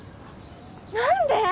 何で？